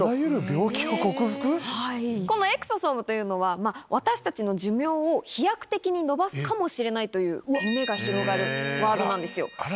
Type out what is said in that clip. このエクソソームというのは、私たちの寿命を飛躍的にのばすかもしれないという、夢が広がるワードなんですよ。